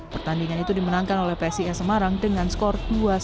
pertandingan itu dimenangkan oleh psis semarang dengan skor dua satu